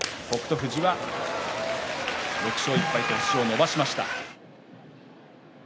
富士は６勝１敗と星を伸ばしました。